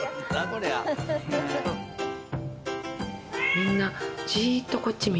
みんな。